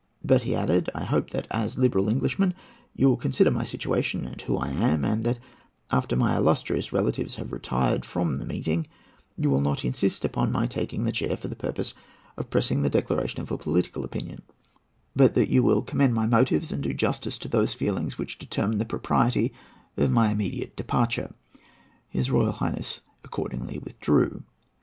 "But," he added, "I hope that, as liberal Englishmen, you will consider my situation and who I am; and that after my illustrious relatives have retired from the meeting, you will not insist upon my taking the chair for the purpose of pressing the declaration of a political opinion; but that you will commend my motives, and do justice to those feelings which determine the propriety of my immediate departure." His Royal Highness accordingly withdrew.